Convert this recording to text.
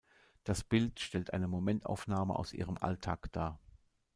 Das Bild stellt eine Momentaufnahme aus ihrem Alltag dar.